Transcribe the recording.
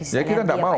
jadi kita nggak mau